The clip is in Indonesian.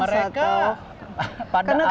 mereka pada awalnya